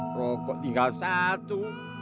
rokok tinggal satu